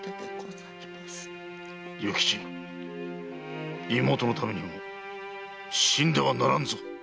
勇吉妹のためにも死んではならぬぞ！